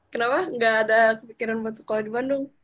kenapa nggak ada kepikiran buat sekolah di bandung